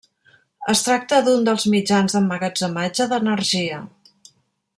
Es tracta d'un dels mitjans d'emmagatzematge d'energia.